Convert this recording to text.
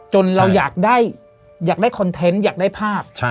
เราอยากได้คอนเทนต์อยากได้ภาพ